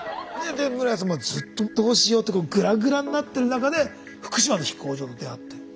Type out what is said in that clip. で室屋さんずっとどうしようとかグラグラになってる中で福島の飛行場と出会って。